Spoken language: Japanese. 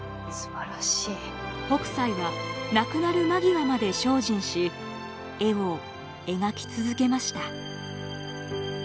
北斎は亡くなる間際まで精進し絵を描き続けました。